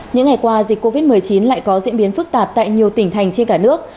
những ngày qua dịch covid một mươi chín lại có diễn biến phức tạp tại nhiều tỉnh thành trên cả nước